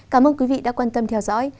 cảm ơn quý vị đã quan tâm theo dõi